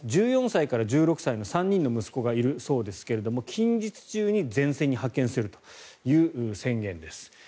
１４歳から１６歳の３人の息子がいるそうですが近日中に前線に派遣するという宣言です。